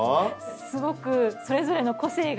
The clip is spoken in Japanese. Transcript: すごくそれぞれの個性が。